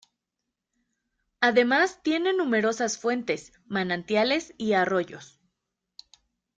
Además tiene numerosas fuentes, manantiales y arroyos.